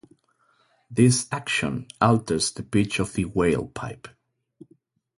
This action alters the pitch of the 'wail pipe'.